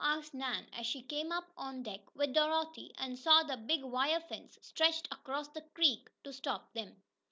asked Nan, as she came up on deck with Dorothy, and saw the big wire fence stretched across the creek to stop them.